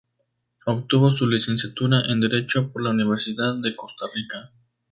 Obtuvo su licenciatura en Derecho por la Universidad de Costa Rica.